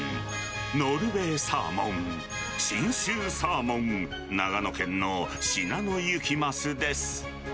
ノルウェーサーモン、信州サーモン、長野県のシナノユキマスです。